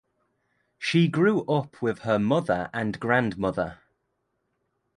She grew up with her mother and grandmother.